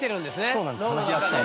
そうなんです。